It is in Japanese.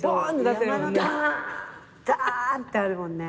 ダーンってあるもんね。